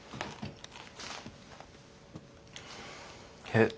え？